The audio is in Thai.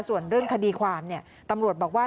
ส่วนเรื่องคดีความเนี่ยตำรวจบอกว่า